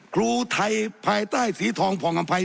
ครูไทยภายใต้สีทองผ่องอำภัย